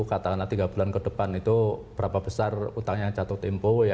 katakanlah tiga bulan ke depan itu berapa besar utangnya yang jatuh tempo ya